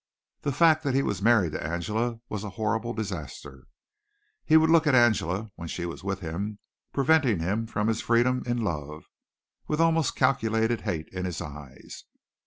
The fact that he was married to Angela was a horrible disaster. He would look at Angela, when she was with him, preventing him from his freedom in love, with almost calculated hate in his eyes.